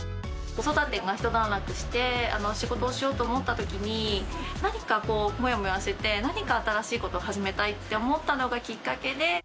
子育てが一段落して、仕事をしようと思ったときに、何かこう、もやもやしてて、何か新しいこと始めたいって思ったのがきっかけで。